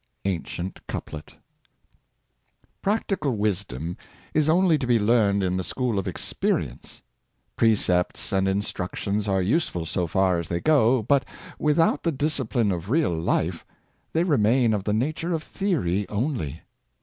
— Ancient Couplet. RACTICAL wisdom is only to be learned in the school of experience. Precepts and in structions are useful so far as they go, but, without the discipline of real life, they remain of the nature of theory only.